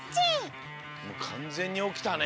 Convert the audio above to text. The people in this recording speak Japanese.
もうかんぜんにおきたね。